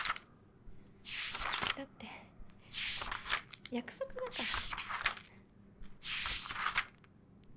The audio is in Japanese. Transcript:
だって約束だから。